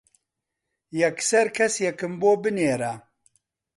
یەکسەر کەسێکم بۆ بنێرە.